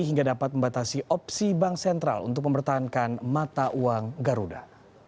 hingga dapat membatasi opsi bank sentral untuk mempertahankan mata uang garuda